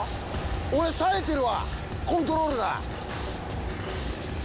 俺さえてるわコントロールが！